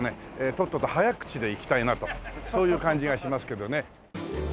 とっとと早口でいきたいなとそういう感じがしますけどね。